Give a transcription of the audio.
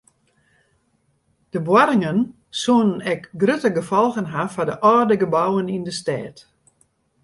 De boarringen soene ek grutte gefolgen ha foar de âlde gebouwen yn de stêd.